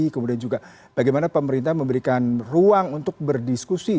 kemudian juga bagaimana pemerintah memberikan ruang untuk berdiskusi